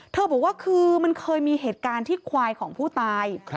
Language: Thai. บอกว่าคือมันเคยมีเหตุการณ์ที่ควายของผู้ตาย